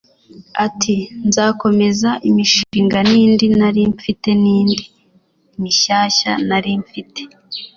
ati "Nzakomeza imishinga n’indi nari mfite n’indi mishyashya nari mfite